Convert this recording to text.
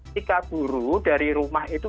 jika guru dari rumah itu